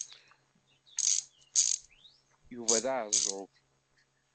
Yuba d aɛeẓẓug.